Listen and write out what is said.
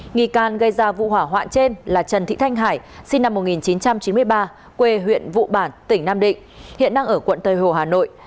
nghi can gây ra vụ hỏa hoạn trên là trần thị thanh hải sinh năm một nghìn chín trăm chín mươi ba quê huyện vụ bản tỉnh nam định hiện đang ở quận tây hồ hà nội